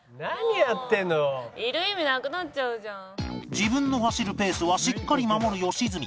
自分の走るペースはしっかり守る良純